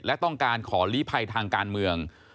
และต้องการขอลีภัยทางการเมือง